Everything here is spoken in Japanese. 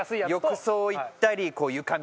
浴槽いったり。